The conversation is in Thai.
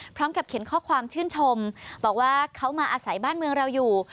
พร้อมกับเขียนข้อความชื่นชมบอกว่าเขามาอาศัยบ้านเมืองเราอยู่